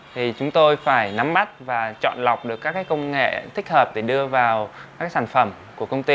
thì chúng tôi phải nắm mắt và chọn lọc được các công nghệ thích hợp để đưa vào các sản phẩm của công ty